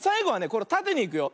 これたてにいくよ。